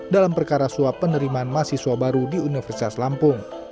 dalam perkara suap penerimaan mahasiswa baru di universitas lampung